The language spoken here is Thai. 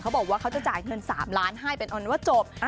บอกว่าเขาจะจ่ายเงิน๓ล้านให้เป็นออนว่าจบ